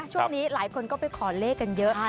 ช่วงนี้หลายคนก็ไปขอเลขกันเยอะ